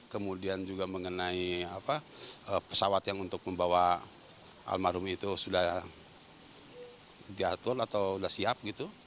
kemudian juga mengenai pesawat yang untuk membawa almarhum itu sudah diatur atau sudah siap gitu